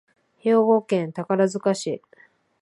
兵庫県宝塚市